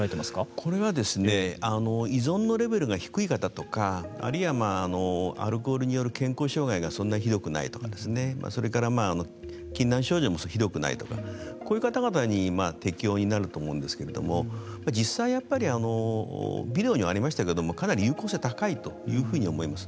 これは依存のレベルが低い方とかあるいはアルコールによる健康障害がそんなにひどくないとかそれから禁断症状もひどくないとかこういう方々に適応になると思うんですけれども実際ビデオにはありましたけれどもかなり有効性が高いというふうに思います。